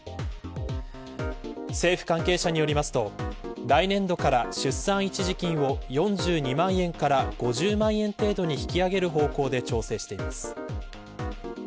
政府関係者によりますと来年度から出産一時金を４２万円から５０万円程度に引き上げる方向で調整しています。